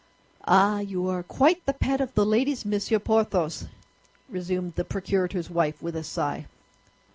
"Ah, you are quite the pet of the ladies, Monsieur Porthos!" resumed the procurator's wife, with a sigh.